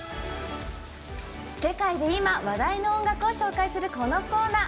世界で今、話題の音楽を紹介するこのコーナー。